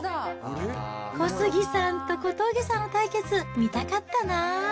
小杉さんと小峠さんの対決、見たかったなぁ。